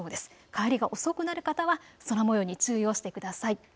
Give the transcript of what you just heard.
帰りが遅くなる方は空もように注意をしてください。